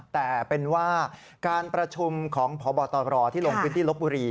แต่เป็นว่าการประชุมของพบตรที่ลงพื้นที่ลบบุรี